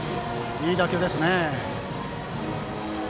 いい打球でしたね。